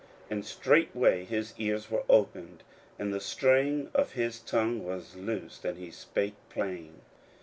41:007:035 And straightway his ears were opened, and the string of his tongue was loosed, and he spake plain.